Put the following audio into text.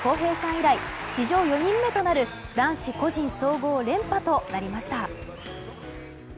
以来史上４人目となる男子個人総合連覇となりました。